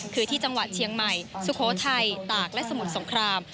คือที่จังหวัดเชียงใหม่สุโขทัยตากและสมุทรสงคราม